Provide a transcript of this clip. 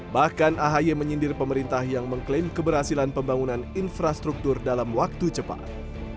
bahkan ahy menyindir pemerintah yang mengklaim keberhasilan pembangunan infrastruktur dalam waktu cepat